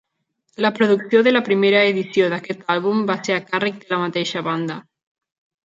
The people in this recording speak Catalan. La producció de la primera edició d'aquest àlbum va ser a càrrec de la mateixa banda.